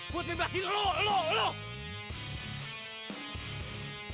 buat bebasin lo lo lo